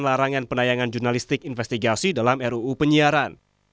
larangan penayangan jurnalistik investigasi dalam ruu penyiaran